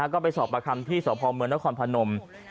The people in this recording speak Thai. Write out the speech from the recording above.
ก็ไปสอบประคำที่สพเมืองนครพนม